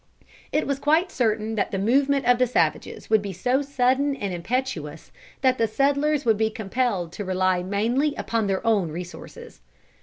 It was quite certain that the movement of the savages would be so sudden and impetuous that the settlers would be compelled to rely mainly upon their own resources.